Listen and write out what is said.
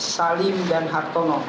salim dan hartono